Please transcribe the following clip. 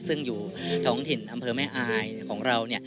ซึ่งอยู่ท้องถิ่นอำเภอแม่อายของเรา